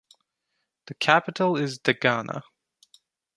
The capital is Dagana.